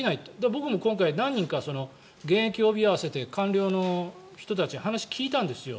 僕も今回、何人か現役ＯＢ合わせて官僚の人たちに話を聞いたんですよ。